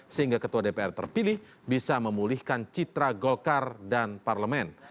sehingga ketua dpr terpilih bisa memulihkan citra golkar dan parlemen